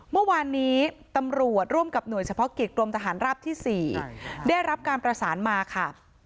เมื่อวานนี้ตำรวจร่วมกับหน่วยเฉพาะกิจกรมทหารราบที่๔ได้รับการประสานมาค่ะ